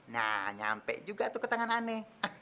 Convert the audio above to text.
nah nyampe juga tuh ke tangan aneh